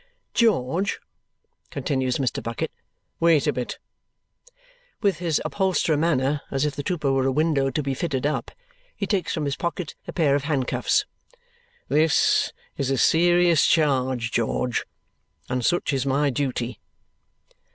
"George," continues Mr. Bucket, "wait a bit!" With his upholsterer manner, as if the trooper were a window to be fitted up, he takes from his pocket a pair of handcuffs. "This is a serious charge, George, and such is my duty."